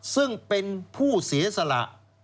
ซึ่งเป็นผู้เสียสละ